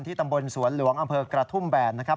ตำบลสวนหลวงอำเภอกระทุ่มแบนนะครับ